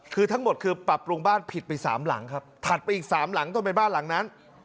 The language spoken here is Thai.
คือทั้งหมดคือปรับปรุงบ้านผิดไปสามหลังครับถัดไปอีกสามหลังต้องเป็นบ้านหลังนั้น